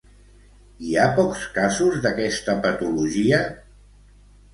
Hi ha pocs casos d'aquesta patologia?